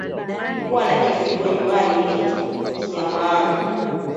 Kuwa na kifugo nyumbani ni kitu kya maana